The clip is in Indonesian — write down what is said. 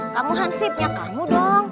kamu hansipnya kamu dong